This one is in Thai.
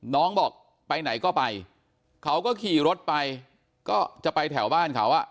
น้องบอกไปไหนก็ไปเขาก็ขี่รถไปก็จะไปแถวบ้านเขาอ่ะ